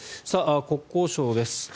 国交省です。